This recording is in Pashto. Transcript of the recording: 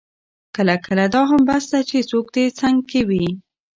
کله کله دا هم بس ده چې څوک دې څنګ کې وي.